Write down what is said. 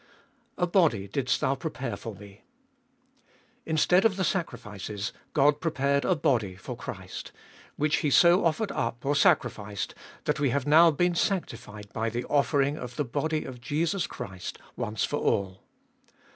A body didst thou prepare for Me. Instead of the sacri fices, God prepared a body for Christ, which He so offered up or sacrificed that we have now been sanctified by the offering of the body of Jesus Christ once for all.